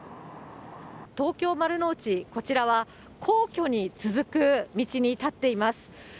東京・丸の内、こちらは皇居に続く道に立っています。